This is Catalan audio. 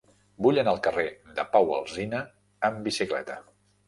Vull anar al carrer de Pau Alsina amb bicicleta.